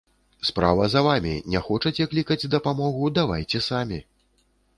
Справа за вамі, не хочаце клікаць дапамогу, давайце самі.